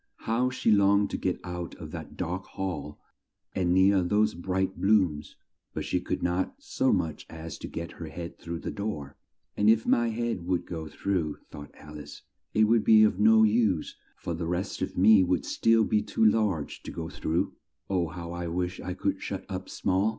How she longed to get out of that dark hall and near those bright blooms; but she could not so much as get her head through the door; "and if my head would go through," thought Al ice, "it would be of no use, for the rest of me would still be too large to go through. Oh, how I wish I could shut up small!